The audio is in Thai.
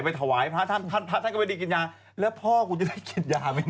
ถวายพระท่านท่านพระท่านก็ไม่ได้กินยาแล้วพ่อคุณจะได้กินยาไหม